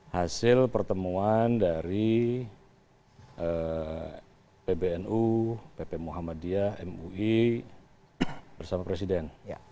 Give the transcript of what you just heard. hasil pertemuan dari pbnu pp muhammadiyah mui bersama presiden